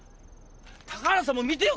高原さんも見てよ。